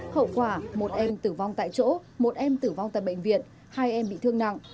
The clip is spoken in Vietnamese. hậu quả một em tử vong tại chỗ một em tử vong tại bệnh viện hai em bị thương nặng